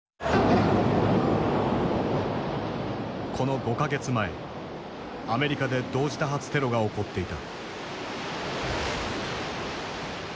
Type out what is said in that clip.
この５か月前アメリカで同時多発テロが起こっていた。